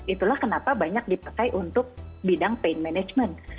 itulah kenapa banyak dipakai untuk bidang paint management